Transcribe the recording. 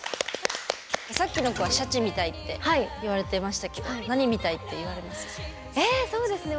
さっきの子は「シャチみたい」って言われてましたけど何みたいって言われますか？